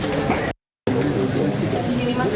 hukuman seberapa lama itu tidak akan cukup